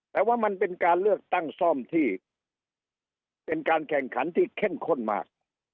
แต่ว่ามันเป็นการเลือกตั้งซ่อมที่เป็นการแข่งขันที่เข้มข้นมาก